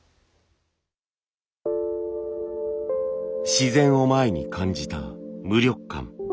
自然を前に感じた無力感。